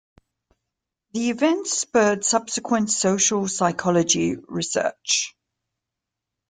The event spurred subsequent social psychology research.